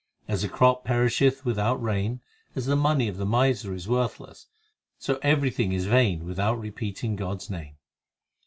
As the crop perisheth without rain, As the money of the miser is worthless, So everything is vain without repeating God s name.